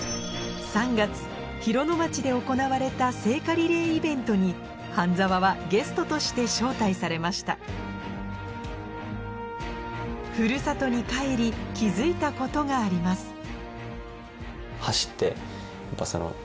３月広野町で行われた聖火リレーイベントに半澤はゲストとして招待されましたふるさとに帰り気付いたことがあります